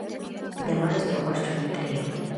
მე და მარის გვიყვარს ჩვენი ტრიო